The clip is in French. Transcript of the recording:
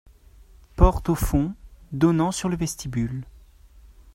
Porte au fond, donnant sur le vestibule.